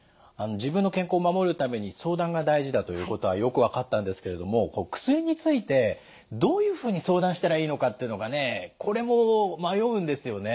自分の健康を守るために相談が大事だということはよく分かったんですけれども薬についてどういうふうに相談したらいいのかっていうのがねこれも迷うんですよね。